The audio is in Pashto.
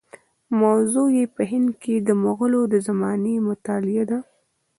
موضوع یې په هند کې د مغولو د زمانې مطالعه ده.